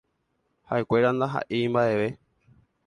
Haʼekuéra ndahaʼéi mbaʼeve.